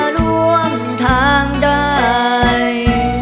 ใครหนอจะรวมทางได้